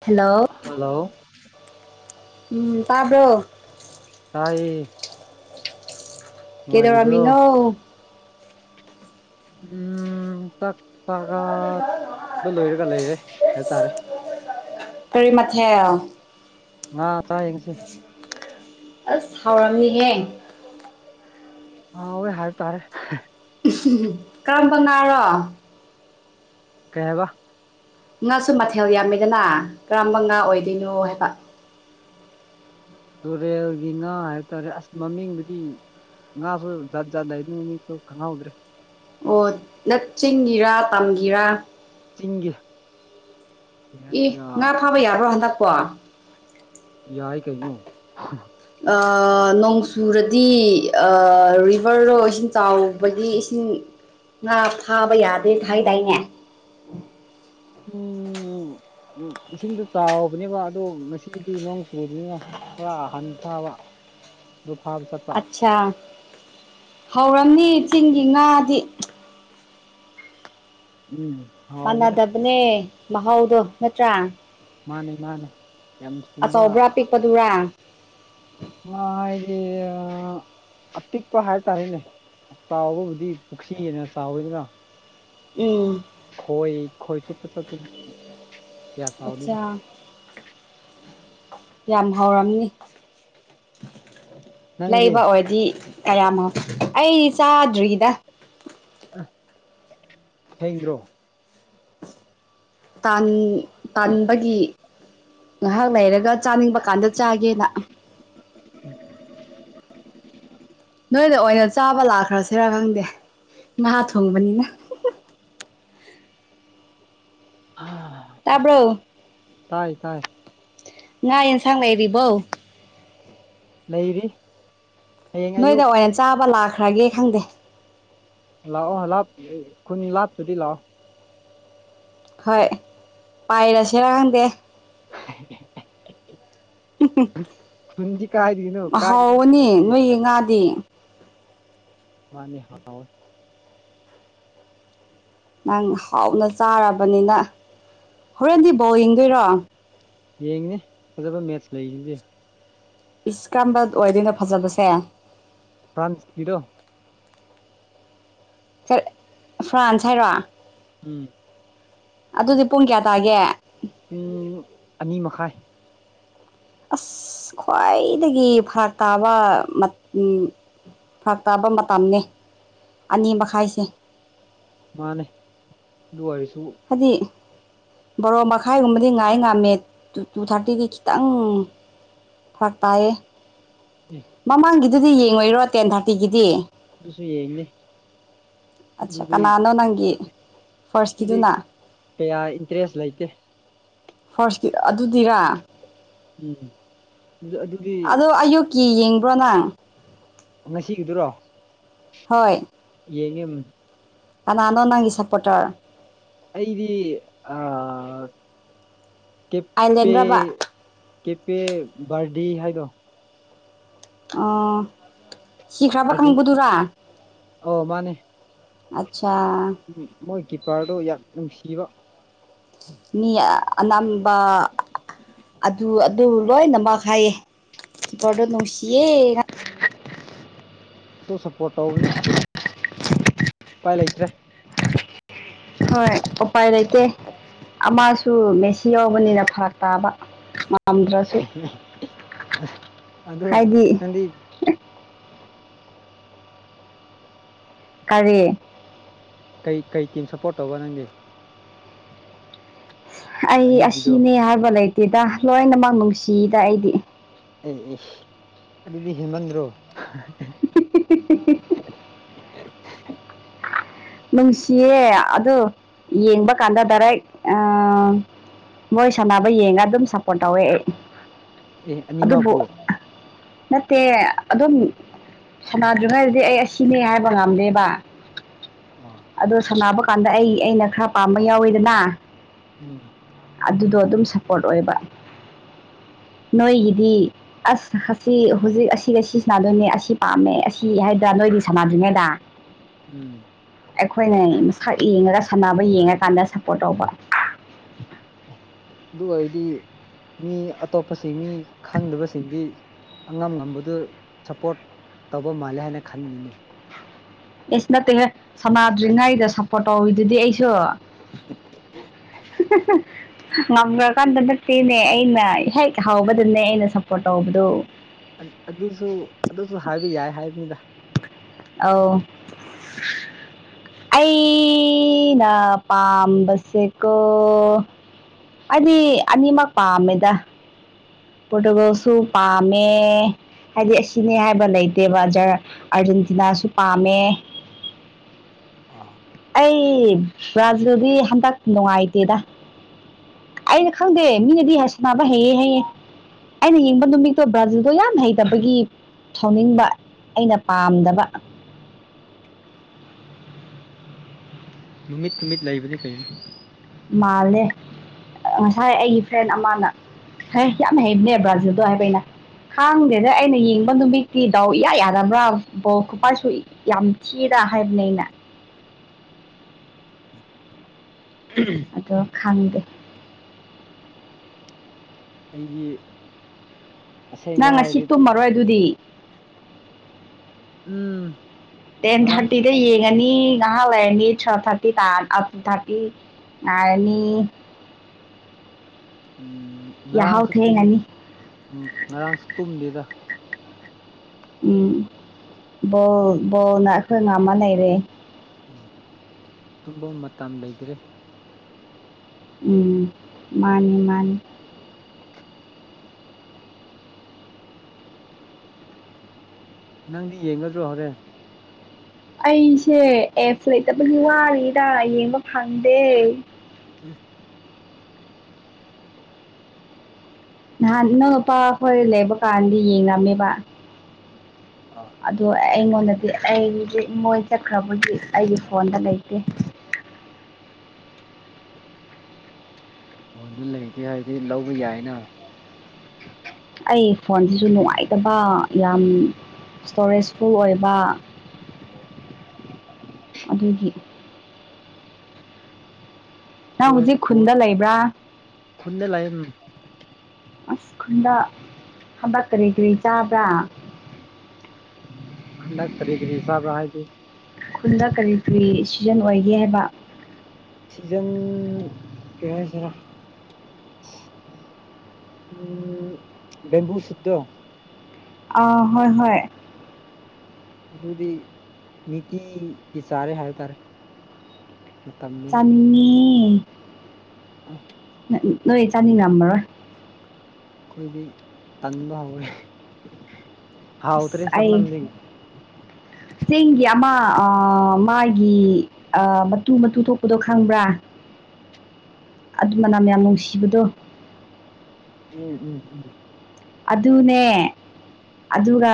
Hello hello ꯎꯝ ꯇꯥꯕ꯭ꯔꯣ ꯇꯥꯏꯌꯦ ꯅꯨꯡꯉꯥꯏꯔꯤꯕ꯭ꯔꯣ ꯀꯩꯗꯧꯔꯃꯤꯅ ꯎ ꯆꯥꯛ ꯆꯥꯒꯕ ꯂꯣꯏꯔꯒ ꯂꯩꯔꯦ ꯍꯥꯏꯇꯥꯔꯦ ꯀꯔꯤ ꯃꯊꯦ ꯑ ꯆꯥꯏ ꯌꯦꯡꯁꯦ ꯑꯁ ꯍꯥꯎꯔꯝꯃꯤꯍꯌꯦ ꯍ ꯍꯣꯏ ꯍꯥꯏ ꯇꯥꯔꯦ ꯀꯔꯝꯕ ꯅꯥꯔꯣ ꯀꯩꯦꯕ ꯉꯥꯁꯨ ꯃꯊꯦꯜ ꯌꯥꯝꯃꯤꯗꯅ ꯀꯔꯝꯕ ꯉꯥ ꯑꯣꯏꯗꯣꯏꯅꯣ ꯍꯥꯏꯕ ꯇꯨꯔꯦꯜꯒꯤ ꯉꯥ ꯍꯥꯏꯕ ꯇꯥꯔꯦ ꯑꯁ ꯃꯃꯤꯡꯗꯨꯗꯤ ꯉꯥꯁꯨ ꯖꯥꯠ ꯖꯥꯠ ꯂꯩꯗꯅ ꯃꯤꯁꯨ ꯈꯪꯍꯧꯗ꯭ꯔꯦ ꯑꯣ ꯅ ꯆꯤꯡꯒꯤꯔꯥ ꯇꯝꯒꯤꯔ ꯆꯤꯡꯒꯤ ꯀꯩ ꯏ ꯍꯥꯏꯁꯤꯔꯥ ꯉꯥ ꯐꯥꯕ ꯌꯥꯕ꯭ꯔꯣ ꯍꯟꯗꯛꯀꯣ ꯌꯥꯏ ꯀꯩꯅꯣ ꯅꯣꯡ ꯆꯨꯔꯗꯤ ꯚꯔꯗꯣ ꯏꯁꯤꯡ ꯆꯥꯎꯕꯒꯤ ꯏꯁꯤꯡ ꯉꯥ ꯐꯥꯕ ꯌꯥꯗꯦ ꯐꯥꯏꯗꯥꯏꯅꯦ ꯎꯝ ꯎ ꯎꯝ ꯏꯁꯤꯡꯗꯣ ꯆꯥꯎꯕꯅꯦꯕ ꯑꯗꯣ ꯉꯁꯤꯗꯤ ꯅꯣꯡ ꯆꯨꯕꯗꯨꯅꯤꯅ ꯈꯔ ꯍꯟꯊꯥꯕ ꯂꯗꯨꯐꯥꯕ ꯆꯠꯄ ꯑꯠꯁꯥ ꯍꯧꯔꯝꯅꯤ ꯆꯤꯡꯒꯤ ꯉꯥꯗꯤ ꯎꯝ ꯍꯥꯎꯋꯦꯗ ꯃꯥꯟꯅꯗꯕꯅꯦ ꯃꯍꯥꯎꯗꯣ ꯅꯠꯇ꯭ꯔꯥ ꯃꯥꯅꯦ ꯃꯥꯅꯦ ꯌꯥꯝ ꯁꯨꯝꯕ ꯑꯆꯧꯕ꯭ꯔꯥ ꯄꯤꯛꯄꯗꯨꯔꯥ ꯃꯥ ꯑꯩꯗꯤ ꯑ ꯑꯄꯤꯛꯄ ꯍꯥꯏꯇꯥꯔꯦꯅꯦ ꯆꯥꯎꯕꯕꯨꯗꯤ ꯄꯨꯈꯔ꯭ꯤꯅ ꯆꯥꯎꯋꯣꯏꯗꯅ꯫ ꯎꯝ ꯈꯣꯏ ꯈꯣꯏ ꯆꯣꯞꯄ ꯆꯠꯄꯅꯦ ꯀꯌꯥ ꯆꯥꯎꯗꯦꯗ꯫ ꯑꯆꯥ ꯌꯥꯝ ꯍꯥꯎꯔꯝꯅꯤ ꯅꯪꯗꯤ ꯂꯩꯕ ꯑꯣꯏꯗꯤ ꯀꯌꯥꯃꯣꯛ ꯑꯩ ꯆꯥꯗ꯭ꯔꯤꯗ꯫ ꯑ ꯊꯦꯡꯗꯔꯣ꯫ ꯥꯇꯥꯟ ꯇꯥꯟꯕꯒꯤ ꯉꯥꯏꯍꯥꯛ ꯂꯩꯔꯒ ꯆꯥꯅꯤꯡꯕ ꯀꯥꯟꯗ ꯆꯥꯒꯦꯅ꯫ [unintelligible] ꯅꯣꯏꯗ ꯑꯣꯏꯅ ꯆꯥꯕ ꯂꯥꯛꯈ꯭ꯔꯁꯤꯔ ꯈꯪꯗꯦ ꯉꯥ ꯊꯣꯡꯕꯅꯤꯅ꯫ [inaudible] ꯇꯥꯕ꯭ꯔꯣ? ꯇꯥꯏ ꯇꯥꯏ ꯉꯥ ꯑꯦꯟꯁꯥꯡ ꯂꯩꯔꯤꯕꯧ? ꯂꯩꯔꯤ꯫ ꯍꯌꯦꯡ ꯅꯣꯏꯗ ꯑꯌꯨꯛ ꯑꯣꯏꯅ ꯆꯥꯕ ꯂꯥꯛꯈ꯭ꯔꯒꯦ ꯈꯪꯗꯦ꯫ ꯂꯥꯛꯑꯣ ꯂꯥꯞ ꯈꯨꯟ ꯂꯥꯞꯇꯨꯗꯤ ꯂꯥꯛꯑꯣ꯫ ꯍꯣꯏ ꯄꯥꯏꯔꯁꯤꯔꯥ ꯈꯪꯗꯦ꯫ [unintelligible] ꯈꯨꯟꯗꯤ ꯀꯥꯏꯗꯒꯤꯅꯣ ꯀꯥꯏꯗꯅꯣ ꯍꯥꯎꯕꯅꯤ ꯈꯨꯟꯗꯤ? ꯅꯣꯏꯒꯤ ꯉꯥꯗꯤ ꯃꯥꯅꯦ ꯍꯥꯎ ꯅꯪ ꯍꯥꯎꯅ ꯆꯥꯔꯕꯅꯤꯅ ꯍꯣꯔꯦꯟꯗꯤ ꯕꯧ ꯌꯦꯡꯗꯣꯏꯔꯣ? ꯌꯦꯡꯅꯦ ꯐꯖꯕ ꯃꯦꯠꯁ ꯂꯩꯁꯤꯗꯤ꯫ ꯏꯁ ꯀꯔꯝꯕ ꯑꯣꯏꯗꯣꯏꯅꯣ ꯐꯖꯕꯁꯦ? ꯐ꯭ꯔꯥꯟꯁꯀꯤꯔꯣ? ꯀ ꯐ꯭ꯔꯥꯟꯁ ꯍꯥꯏꯔꯣ? ꯎꯝ ꯑꯗꯨꯗꯤ ꯄꯨꯡ ꯀꯌꯥ ꯇꯥꯒꯦ? ꯄꯨꯡ ꯑꯅꯤ ꯃꯈꯥꯏ꯫ ꯑꯁ ꯈ꯭ꯋꯥꯏꯗꯒꯤ ꯐꯔꯥꯛ ꯇꯥꯕ ꯃꯠ ꯐꯔꯥꯛ ꯇꯥꯕ ꯃꯇꯝꯅꯦ ꯑꯅꯤ ꯃꯈꯥꯏꯁꯦ꯫ ꯃꯥꯅꯦ [unintelligible] ꯑꯗꯤ ꯕꯥꯔꯣ ꯃꯈꯥꯏꯒꯨꯝꯕꯗꯤ ꯉꯥꯏ ꯉꯥꯝꯃꯦ ꯇꯨ ꯇꯨ ꯊꯥꯔꯇꯤꯗꯤ ꯈꯤꯇꯪ ꯐꯔꯛ ꯇꯥꯏꯌꯦ ꯑꯦ ꯃꯃꯥꯡꯒꯤꯗꯨꯗꯤ ꯌꯦꯡꯉꯣꯏꯔꯣ ꯇꯦꯟ ꯊꯥꯔꯇꯤꯒꯤꯗꯤ꯫ ꯑꯗꯨꯁꯨ ꯌꯦꯡꯅꯦ꯫ ꯑꯆ ꯀꯅꯥꯅꯣ ꯅꯪꯒꯤ ꯗꯤ ꯐꯥꯔꯁꯀꯤꯗꯨꯅ ꯀꯌꯥ ꯏꯟꯇꯔꯦꯁ ꯂꯩꯇꯦ꯫ ꯐꯥꯔꯁꯀꯤ ꯑꯗꯨꯗꯤꯔꯥ꯫ ꯎꯝ ꯑꯗꯨ ꯑꯗꯨꯗꯤ ꯀꯤ ꯌꯦꯡꯕ꯭ꯔꯣꯅꯪ? ꯉꯁꯤꯒꯤꯗꯨꯔꯣ? ꯍꯣꯏ ꯌꯦꯡꯉꯦꯝ ꯑꯅꯥꯅꯣ ꯅꯪꯒꯤ ꯁꯄꯣꯔꯇꯔ? ꯑꯩꯗꯤ ꯑ ꯀꯦ ꯄꯦ ꯑꯥꯏꯂꯦꯟꯔꯕ ꯀꯦꯄꯦ ꯕꯔꯗꯤ ꯍꯥꯏꯗꯣ꯫ ꯑꯣ ꯁꯤꯈ꯭ꯔꯕ ꯑꯥꯔꯖꯦꯟ ꯈꯪꯕꯗꯨꯔꯥ? ꯑꯣ ꯃꯥꯅꯦ [unintelligible] ꯃꯣꯏ ꯀꯤꯞꯄꯔꯗꯨ ꯌꯥꯝ ꯅꯨꯡꯁꯤꯕ ꯃꯤ ꯑꯝꯝꯕ ꯑꯗꯨ ꯑꯗꯨ ꯂꯣꯏꯅꯃꯛ ꯍꯥꯏꯌꯦꯄꯣꯔꯗꯣ ꯅꯨꯡꯁꯤꯌꯦ [inaudible] ꯇꯣ ꯁꯞꯄꯣꯔꯠ ꯇꯧꯒꯅꯤ ꯑꯁ ꯎꯄꯥꯏ ꯂꯩꯇ꯭ꯔꯦ ꯍꯣꯏ ꯎꯄꯥꯏ ꯂꯩꯇ ꯑꯃꯁꯨ ꯃꯦꯁꯤ ꯌꯥꯎꯕꯅꯤꯅ ꯐꯔꯛ ꯇꯥꯕ ꯌꯥꯝꯝꯗ꯭ꯔꯁꯨ ꯑꯗꯨ ꯍꯥꯏꯗꯤ ꯅꯪꯗꯤ ꯀꯔꯤ ꯀꯩ ꯀꯩ ꯇꯤꯝ ꯁꯞꯄꯣꯔꯠ ꯇꯧꯕ ꯅꯪꯒꯤ ꯑꯩ ꯑꯌꯨꯛꯀꯤꯗꯣ ꯑꯁꯤꯅꯦ ꯍꯥꯏꯕ ꯂꯩꯇꯦꯗ ꯂꯣꯏꯅꯃꯛ ꯅꯨꯡꯁꯤꯗ ꯑꯩꯗꯤ ꯑꯩ ꯑꯗꯨꯗꯤ ꯍꯦꯃꯟꯗ꯭ꯔꯣ ꯄꯤꯛ ꯄꯤꯛꯛꯇꯤꯛ ꯄꯤꯛ ꯅꯨꯡꯁꯤꯌꯦ ꯑ ꯌꯦꯡꯕ ꯀꯥꯟꯗ ꯗꯥꯏꯔꯦꯛ ꯑ ꯃꯣꯏ ꯁꯥꯟꯅꯕ ꯌꯦꯡꯉꯒ ꯑꯗꯨꯝ ꯁꯞꯄꯣꯔꯠ ꯇꯧꯋꯦ ꯑꯩ ꯑꯦ ꯑꯅꯤꯃꯛ ꯑꯗꯨꯕꯨ ꯄꯨꯣ ꯅꯠꯇꯦ ꯑꯗꯨꯝ ꯁꯗ꯭ꯔꯔꯤ ꯍꯥꯏꯔꯗꯤ ꯑꯩ ꯑꯁꯤꯅꯦ ꯍꯥꯏꯕ ꯉꯝꯗꯦꯕ ꯑꯥ ꯑꯗꯣ ꯁꯥꯟꯅꯕ ꯀꯥꯟꯗ ꯑꯩ ꯑꯩꯅ ꯈꯔ ꯄꯥꯝꯕ ꯌꯥꯎꯋꯤꯗꯅ ꯎꯝ ꯑꯗꯨꯗꯣ ꯑꯗꯨꯝ ꯁꯞꯄꯣꯔꯠ ꯑꯣꯏꯕ ꯅꯣꯏꯒꯤꯗꯤ ꯑꯁ ꯑꯁꯤ ꯍꯧꯖꯤꯛ ꯑꯁꯤꯒ ꯁꯤ ꯁꯅꯗꯣꯏꯅꯦ ꯑꯁꯤ ꯄꯥꯝꯃꯦ ꯑꯁꯤ ꯍꯥꯏꯗ꯭ꯔꯥ ꯅꯣꯏꯗꯤ ꯁꯅꯥꯗ꯭ꯔꯤꯉꯩꯗ ꯎꯝ ꯑꯩꯈꯣꯏꯅ ꯃꯁꯛ ꯌꯦꯡꯉꯒ ꯁꯥꯟꯅꯕ ꯌꯦꯡꯉꯀꯥꯟꯗ ꯁꯞꯄꯣꯔꯠ ꯇꯧꯕ ꯑꯗꯨ ꯑꯣꯏꯔꯗꯤ ꯃꯤ ꯑꯇꯣꯞꯄꯁꯤꯡ ꯃꯤ ꯈꯪꯗꯕꯁꯤꯡꯗꯤ ꯑꯉꯝ ꯉꯝꯕꯗꯨ ꯁꯞꯄꯣꯔꯠ ꯇꯧꯕ ꯃꯥꯜꯂꯦ ꯍꯥꯏꯅ ꯈꯟꯅꯤꯡꯩ ꯑꯦꯁ ꯅꯠꯇꯦ ꯍ ꯁꯃꯥꯗ꯭ꯔꯤꯉꯩꯗ ꯁꯞꯄꯣꯔꯠ ꯇꯧꯋꯤꯗꯨꯗꯤ ꯑꯩꯁꯨ [inaudible] ꯉꯝꯈ꯭ꯔꯀꯥꯟꯗ ꯅꯠꯇꯦꯅꯦ ꯑꯩꯅ ꯍꯦꯛ ꯍꯥꯎꯕꯗꯅꯦ ꯑꯩꯅ ꯁꯞꯄꯣꯔꯠ ꯇꯧꯕꯗꯣ ꯑꯗꯨꯁꯨ ꯑꯗꯨꯁꯨ ꯍꯥꯏꯕ ꯌꯥꯏ ꯍꯥꯏꯕꯅꯤꯗ ꯑꯥꯎ ꯑꯩꯅ ꯄꯥꯝꯕꯁꯦꯀꯣ ꯑꯩꯗꯤ ꯑꯅꯤꯃꯛ ꯄꯥꯝꯃꯦꯗ ꯄꯨꯗꯨꯒꯣꯁꯨꯨ ꯄꯥꯝꯃꯦ ꯍꯥꯏꯗꯤ ꯑꯁꯤꯅꯦ ꯍꯥꯏꯕ ꯂꯩꯇꯦꯕ ꯑꯥꯔꯖꯦꯟꯇꯤꯅꯥꯁꯨ ꯄꯥꯝꯃꯦ [inaudible] ꯑꯩ ꯕ꯭ꯔꯥꯖꯤꯜꯗꯤ ꯍꯟꯗꯛ ꯅꯨꯡꯉꯥꯏꯇꯦꯗ ꯑꯩꯅ ꯈꯪꯗꯦ ꯃꯤꯅꯗꯤ ꯍꯁ ꯅꯥꯕ ꯍꯩꯌꯦꯦ ꯍꯩꯑꯦ ꯑꯩꯅ ꯌꯦꯡꯕ ꯅꯨꯃꯤꯠꯇꯣ ꯕ꯭ꯔꯥꯖꯤꯜꯗꯣ ꯌꯥꯝ ꯍꯩꯇꯕꯒꯤ ꯊꯧꯅꯤꯡꯕ ꯑꯩꯅ ꯄꯥꯝꯗꯕ [inaudible] ꯅꯨꯃꯤꯠ ꯇꯨꯃꯤꯠ ꯂꯩꯕꯅꯤ ꯀꯩꯅꯣ ꯃꯥꯜꯂꯦ ꯉꯁꯥꯏ ꯑꯩꯒꯤ ꯐ꯭ꯔꯦꯟ ꯑꯃꯅ ꯍ ꯌꯥꯝ ꯍꯩꯕꯅꯦ ꯕ꯭ꯔꯥꯖꯤꯜꯗꯣ ꯍꯥꯏꯕ ꯑꯩꯅ ꯈꯥꯡꯗꯦꯗ ꯑꯩꯅ ꯌꯦꯡꯕ ꯅꯨꯃꯤꯠꯇꯤ ꯗꯥꯎ ꯏꯌꯥ ꯌꯥꯗꯕ꯭ꯔꯥ ꯕꯣ ꯈꯨꯄꯥꯁꯨ ꯌꯥꯝ ꯊꯤ ꯍꯥꯏ ꯕꯅꯦ ꯑꯩꯅ [inaudible] ꯑꯗꯣ ꯈꯪꯗꯦ ꯑꯩꯗꯤ ꯑꯁꯦꯡꯕ ꯅꯪ ꯉꯁꯤ ꯍꯥꯏꯔꯗꯤ ꯇꯨꯝꯃꯔꯣꯏ ꯑꯗꯨꯗꯤ ꯎꯝ ꯇꯦꯟ ꯉꯔꯥꯡꯁꯨ ꯍꯇꯗ ꯌꯦꯡ ꯅꯤ ꯉꯍꯂꯅꯤ ꯊ ꯊꯥꯔꯇꯤ ꯇ ꯑ ꯊꯥꯔꯇꯤꯅꯤ [unintelligible] ꯌꯥꯍꯧ ꯉꯔꯥꯡꯁꯨꯨꯝ ꯊꯦꯡꯉꯅꯤ ꯉꯔꯥꯡꯁꯨ ꯇꯨꯝꯗꯦꯗ ꯎꯝ ꯕꯣ ꯕꯣꯅꯈ ꯉꯑꯃ ꯂꯩꯔꯦ ꯎꯝ ꯇꯨꯝꯕ ꯃꯇꯝ ꯂꯩꯇ꯭ꯔꯦ ꯎꯝ ꯃꯥꯅꯤ ꯃꯥꯅꯤ ꯅꯪꯗꯤ ꯌꯦꯡꯒꯗ꯭ꯔꯣ ꯍꯣꯔꯦ ꯑꯩꯁꯦ ꯑꯦꯐ ꯂꯩꯇꯕꯗꯤ ꯋꯥꯔꯤꯔꯤꯔ ꯌꯦꯡꯕ ꯐꯪꯗꯦ ꯎꯝ ꯅꯍꯥꯟ ꯑꯅꯧ ꯅꯨꯄꯥ ꯍꯈꯣꯏ ꯂꯩꯕ ꯀꯥꯟꯗꯤ ꯌꯦꯡꯝꯃꯦꯕ ꯑꯥ ꯑꯗꯣ ꯑꯩꯉꯣꯟꯗꯗꯤ ꯑꯩꯁꯦ ꯃꯣꯏ ꯆꯠꯈ꯭ꯔꯕꯗꯤ ꯑꯩꯒꯤ ꯐꯣꯟꯗ ꯂꯩꯇꯦ [unintelligible] ꯐꯣꯟꯗ ꯂꯩꯇꯦ ꯍꯥꯏꯗꯤ ꯂꯧꯕ ꯌꯥꯏꯅ ꯑꯩ ꯐꯣꯟꯁꯤꯁꯨ ꯅꯨꯡꯉꯥꯏꯇꯕ ꯌꯥꯝ ꯏꯁꯇꯣꯔꯦꯖ ꯐꯨꯜ ꯑꯣꯏꯕ ꯑꯗꯨꯒꯤ ꯅꯪ ꯁꯨꯔꯁ ꯍꯧꯖꯤꯛ ꯐꯣꯟ ꯈꯨꯟꯗ ꯂꯩꯕ꯭ꯔꯥ ꯈꯨꯟꯗ ꯂꯩ ꯎꯝ ꯑꯁꯀꯨꯟꯗ ꯍꯥꯕꯛ ꯀꯔꯤ ꯀꯔꯤ ꯆꯥꯕ꯭ꯔꯥ ꯐꯔꯤꯗ ꯀꯔꯤ ꯀꯔꯤ ꯁꯥꯕꯔꯗꯤ ꯈꯨꯟꯗ ꯀꯔꯤ ꯀꯔꯤ ꯁꯤꯖꯟ ꯑꯣꯏꯒꯦ ꯍꯥꯏꯕ ꯁꯤꯖꯟ ꯀ ꯍꯥꯏꯁꯤꯔ ꯎꯝ ꯕꯦꯝꯕꯨ ꯁꯨꯠꯇꯣ ꯑꯥ ꯍꯣꯏ ꯍꯣꯏ ꯑꯗꯨꯗꯤ ꯅꯤꯇꯤꯒꯤ ꯆꯥꯔꯦ ꯍꯥꯏꯕ ꯇꯥꯔꯦ ꯃꯇꯝꯅꯤꯅ ꯆꯃꯤ ꯑ ꯅꯣꯏ ꯆꯥꯅꯤꯡꯉꯝꯕ꯭ꯔꯣꯏ ꯑꯩꯈꯣꯏꯗꯤ ꯇꯟꯕ ꯍꯧꯔꯦ ꯍꯥꯎ ꯎꯇꯔꯦ ꯁꯃꯗꯤ ꯆꯤꯡꯒꯤ ꯑꯃ ꯃꯥꯒꯤ ꯃꯇꯨ ꯃꯇꯨ ꯊꯣꯛꯄꯗꯣ ꯈꯪꯕ꯭ꯔꯥ [unintelligible] ꯑꯗꯨ ꯃꯅꯝ ꯌꯥꯝ ꯅꯨꯡꯁꯤꯕꯗꯣ ꯎꯝ ꯎꯝ ꯎꯝ ꯑꯗꯨ ꯑꯗꯨꯅꯦ ꯑꯗꯨꯒ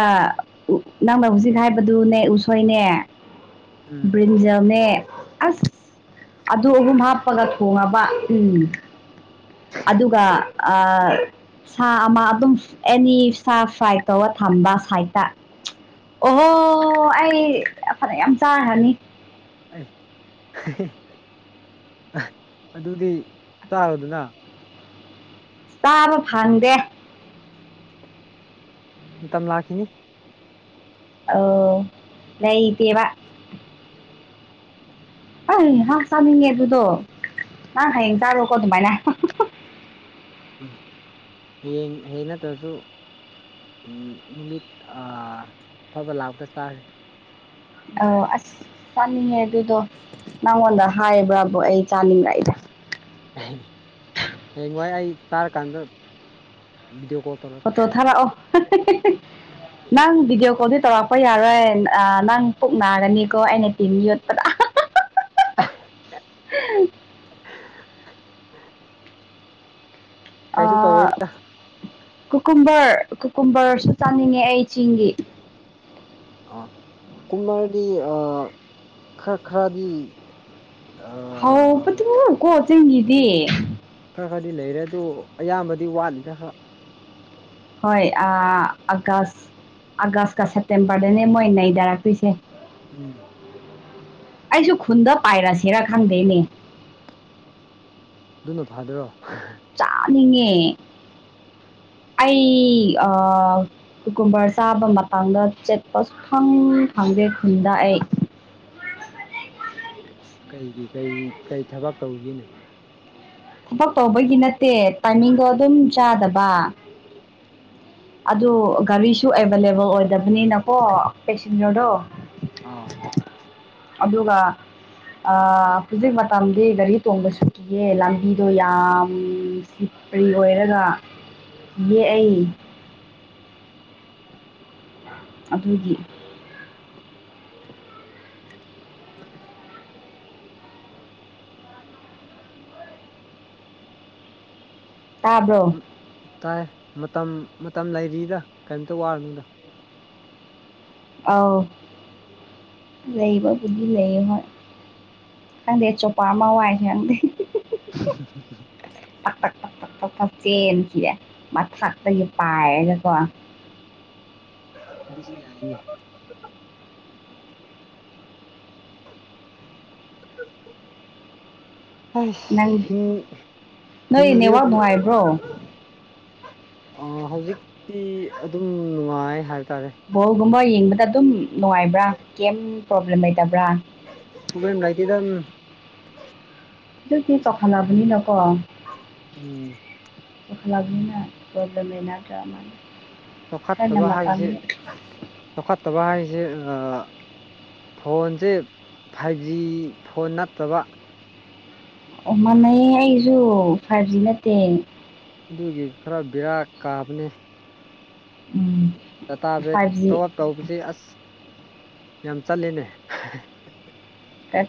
ꯅꯪꯅ ꯍꯧꯖꯤꯛ ꯍꯥꯏꯕꯗꯨꯅꯦ ꯎꯁꯣꯏꯅꯦ ꯎꯝ ꯭ꯔꯤꯟꯖꯅꯦ ꯑꯁ ꯑꯗꯨ ꯑꯍꯨꯝ ꯍꯥꯞꯄꯒ ꯊꯣꯉꯕ ꯎꯝ ꯑꯗꯨꯒ ꯑ ꯁꯥ ꯑꯃ ꯑꯗꯨꯝ ꯑꯦꯅꯤ ꯁꯥ ꯐ꯭ꯔꯥꯏ ꯇꯧꯔ ꯊꯝꯕ ꯁꯥꯏꯠꯇ ꯑꯣꯍꯣ ꯑꯩ ꯐꯅꯦꯛ ꯌꯥꯝ ꯆꯥꯈꯔꯅꯤ ꯑ ꯑꯗꯨꯗꯤ ꯆꯥꯔꯣꯗꯅ ꯆꯥꯕ ꯐꯪꯗꯦ ꯃꯇꯝ ꯂꯥꯛꯈꯤꯅꯤ ꯑꯣ ꯂꯩꯩꯇꯦꯕ ꯑꯩꯍꯥꯛ ꯆꯥꯅꯤꯡꯉꯦ ꯑꯗꯨꯗꯣ ꯑ ꯉꯡ ꯆꯥꯔꯨ ꯀꯣ ꯑꯗꯨꯃꯥꯏꯅ ꯎꯝ ꯍ ꯍꯦꯩꯅꯠꯇ꯭ꯔꯁꯨ ꯅꯨꯃꯤꯠ ꯑꯐꯕ ꯂꯥꯛꯄ ꯆꯥꯈ꯭ꯔꯦ ꯑ ꯑꯁ ꯆꯥꯅꯤꯡꯉꯦ ꯑꯗꯨꯗꯣ ꯅꯪꯉꯣꯟꯗ ꯍꯥꯏꯕ꯭ꯔꯥꯕ ꯑꯩ ꯆꯥꯅꯤꯡꯕ ꯑꯩꯗ ꯍꯌꯦ ꯋꯥꯏ ꯑꯩ ꯆꯥꯔꯀꯥꯟꯗ ꯚꯤꯗꯤꯑꯣ ꯀꯣꯜ ꯑꯣ ꯇꯧꯔꯛꯀꯦ ꯇꯣ ꯊꯥꯔꯛꯑꯣ ꯅꯪꯗꯤ ꯀꯣꯗꯤ ꯇꯧ ꯍꯣꯏ ꯌꯥꯔꯣꯏ ꯅꯪ ꯄꯨꯛ ꯅꯥꯒꯅꯤꯀꯣ ꯑꯩꯅ ꯇꯤꯝ ꯌꯣꯠꯄꯗ [inaudible] ꯀꯥꯏꯁꯨ ꯑꯥ ꯇꯧꯕꯣꯏꯗ ꯀꯨꯀꯨꯝꯕꯔ ꯀꯨꯀꯨꯝꯕꯔꯁꯨ ꯆꯥꯅꯤꯡꯉꯦ ꯑꯩ ꯆꯤꯡꯒꯤ ꯑ ꯀꯨꯝꯃꯔꯗꯤ ꯈꯔ ꯈꯔꯗꯤ ꯍꯥꯎ ꯄ ꯑꯥ ꯀꯣ ꯆꯪꯉꯗꯤꯦ ꯈꯔ ꯈꯔꯗꯤ ꯂꯩꯔꯦ ꯑꯗꯨ ꯑꯌꯥꯝꯕꯗꯤ ꯋꯥꯠꯂꯤꯅ ꯈꯔ ꯍꯣꯏ ꯑꯀꯥꯁ ꯑꯥꯒꯁꯀ ꯁꯦꯞꯇꯦꯝꯕꯔꯗꯅꯦ ꯃꯣꯏ ꯅꯩꯗꯥꯔꯛꯇꯣꯏꯁꯦ ꯎꯝ ꯑꯩꯁꯨ ꯈꯨꯟꯗ ꯄꯥꯏꯔꯁꯤꯔ ꯈꯪꯗꯦꯅꯦ ꯑꯗꯨꯅ ꯐꯥꯗꯔꯣ ꯃꯤꯉꯦ [inaudible] ꯑꯩ ꯀꯨꯀꯨꯝꯕꯔ ꯆꯥꯕ ꯃꯇꯥꯡꯗ ꯆꯦꯠꯄ ꯁꯨꯊꯪ ꯊꯪ ꯈꯨꯟꯗ ꯑꯩ ꯀꯩꯒꯤ ꯀꯩ ꯀꯩ ꯊꯕꯛ ꯇꯧꯈꯤꯅꯣ ꯊꯕꯛ ꯇꯧꯕꯒꯤ ꯅꯠꯇꯦ ꯇꯥꯏꯃꯤꯡꯗꯣ ꯑꯗꯨꯝ ꯆꯥꯗꯕ ꯑꯗꯨ ꯒꯥꯔꯤꯁꯨ ꯑꯦꯚꯏꯂꯦꯕꯜ ꯑꯣꯏꯗꯕꯅꯤꯅꯀꯣ ꯄꯦꯁꯦꯟꯖꯔꯗꯣ ꯎꯝ ꯑꯥ ꯑꯗꯨꯒ ꯍꯧꯖꯤꯛ ꯃꯇꯝꯗꯤ ꯒꯥꯔꯤ ꯇꯣꯡꯕꯁꯨ ꯀꯤꯌꯦ ꯂꯝꯕꯤꯗꯣ ꯌꯥꯝ ꯀꯔꯤ ꯑꯣꯏꯔꯒ ꯌꯦꯛꯑ ꯑꯗꯨꯒꯤ ꯇꯥꯕ꯭ꯔꯣ ꯇꯥꯏ ꯃꯇꯝ ꯃꯇꯝ ꯂꯩꯔꯤꯗ ꯀꯔꯤꯝꯇ ꯋꯥꯔꯅꯨꯗ ꯑꯥꯎ ꯂꯩꯏꯕ ꯑꯗꯨ ꯂꯩꯏꯍꯣꯏ ꯀꯗ ꯆꯣꯄꯥꯃ ꯋꯥ ꯍꯥꯏꯗ ꯆ ꯀ ꯁꯠꯇ ꯄꯑꯒꯀꯣ ꯁ ꯌꯥ ꯍ ꯅꯪ ꯅꯣꯏ ꯍꯂꯤ ꯅꯦꯠꯋꯥꯛ ꯅꯨꯡꯉꯥꯏꯕ꯭ꯔꯣ ꯍꯧꯖꯤꯛꯇꯤ ꯑꯗꯨꯝ ꯅꯨꯡꯉꯥꯏ ꯍꯥꯏ ꯕꯣꯜꯒꯨꯝꯕ ꯌꯦꯡꯕꯗ ꯑꯗꯨꯝ ꯅꯨꯡꯉꯥꯏꯕ꯭ꯔꯥ ꯀꯩ ꯄ꯭ꯔꯣꯕ꯭ꯂꯦꯝ ꯂꯩꯇꯦ ꯔꯥꯏꯇꯗ ꯑꯗꯨ ꯇꯈꯅꯅꯥꯕꯨ ꯅꯀ ꯎꯝ ꯑꯣꯈ ꯂꯒꯅꯤꯅ ꯇꯗꯃꯦꯅꯥ ꯇ꯭ꯔꯃꯅꯤ ꯆꯥꯎꯈꯠꯇꯕ ꯍꯥꯏꯁꯦ ꯆꯥꯎꯈꯠꯇꯕ ꯍꯥꯏꯁꯦ ꯐꯣꯟꯁꯦ ꯐꯥꯏꯚ ꯖꯤ ꯐꯣꯟ ꯅꯠꯇꯕ ꯑꯣ ꯃꯥꯟꯅꯩ ꯑꯩꯁꯨ ꯐꯥꯏꯚ ꯖꯤ ꯅꯠꯇꯦ ꯑꯗꯨꯒꯤ ꯈꯔ ꯕꯤꯦꯔꯥ ꯀꯥꯕꯅꯤ ꯎꯝ ꯗꯇꯥ ꯕꯦꯦꯛ ꯐꯥꯏꯚ ꯇꯣ ꯖꯤ ꯑꯞ ꯇꯧꯕꯁꯤ ꯑꯁ ꯌꯥꯝ ꯆꯠꯂꯅꯦ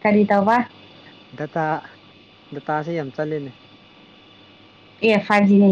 ꯀꯔꯤꯗ ꯋꯥ ꯗꯇꯥ ꯗꯇꯥꯁꯤ ꯌꯥꯝ ꯆꯠꯅꯦ ꯑꯦ ꯐꯥꯏꯚ ꯖꯤꯅꯦ